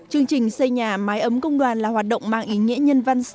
chương trình xây nhà mái ấm công đoàn là hoạt động mang ý nghĩa nhân văn